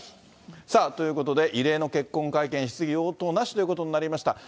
さあ、ということで、異例の結婚会見、質疑応答なしということになりました。